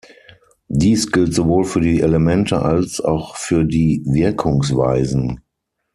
Dies gilt sowohl für die Elemente als auch für die „Wirkungsweisen“.